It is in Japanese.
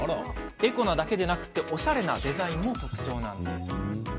エコなだけでなくおしゃれなデザインが特徴です。